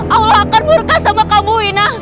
allah akan berkas sama kamu wina